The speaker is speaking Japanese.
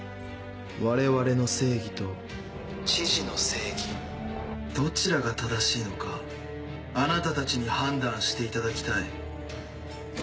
我々の正義と知事の正義どちらが正しいのかあなたたちに判断していただきたい。